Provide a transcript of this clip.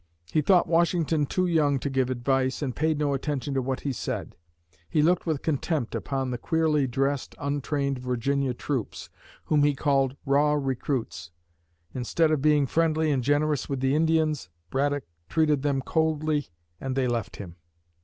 He thought Washington too young to give advice, and paid no attention to what he said. He looked with contempt upon the queerly dressed, untrained Virginia troops, whom he called "raw recruits." Instead of being friendly and generous with the Indians, Braddock treated them coldly and they left him.